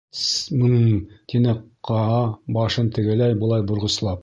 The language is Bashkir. — Т-с-с, мы-ым, — тине Каа башын тегеләй-былай борғослап.